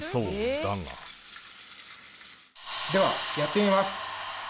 ではやってみます。